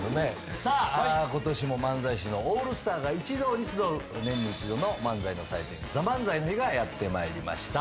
さあ今年も漫才師のオールスターが一堂に集う年に一度の漫才の祭典『ＴＨＥＭＡＮＺＡＩ』の日がやってまいりました。